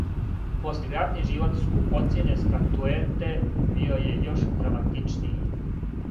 Послијератни живот скупоцјене статуете био је још драматичнији.